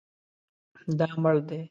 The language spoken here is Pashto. دا مړ دی